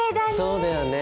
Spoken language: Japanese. そうだよね。